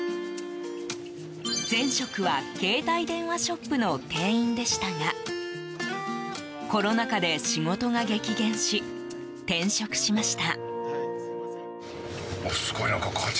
前職は、携帯電話ショップの店員でしたがコロナ禍で仕事が激減し転職しました。